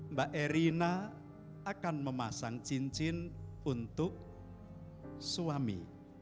mbak erina akan memasang cin cin untuk suami